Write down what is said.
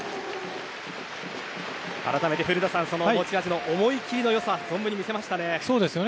改めて、古田さん持ち味の思い切りの良さ存分に見せましたね。